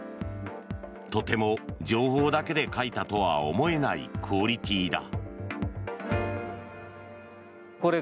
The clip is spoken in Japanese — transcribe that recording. とても情報だけで描いたとは思えないクオリティーだ。